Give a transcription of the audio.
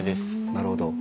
なるほど。